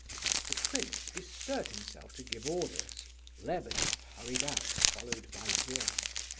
The prince bestirred himself to give orders. Lebedeff hurried out, followed by Vera.